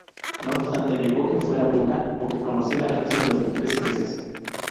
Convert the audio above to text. No obstante negó que fuera bruja, o que conociera al resto de mujeres presas.